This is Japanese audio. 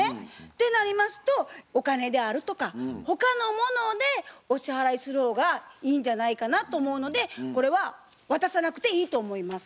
てなりますとお金であるとか他のものでお支払いする方がいいんじゃないかなと思うのでこれは渡さなくていいと思います。